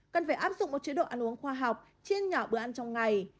cần phải áp dụng một chế độ ăn uống khoa học chia nhỏ bữa ăn trong ngày